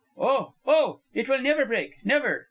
"Oh! Oh! It will never break! Never!"